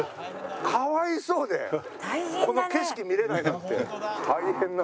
かわいそうでこの景色見られないなんて。